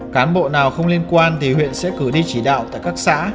cán bộ nào không liên quan thì huyện sẽ cử đi chỉ đạo tại các xã